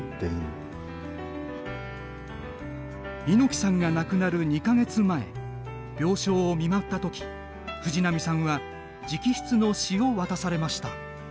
猪木さんが亡くなる２か月前病床を見舞った時、藤波さんは直筆の詩を渡されました。